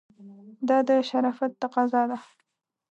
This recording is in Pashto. دا د شرافت تقاضا ده.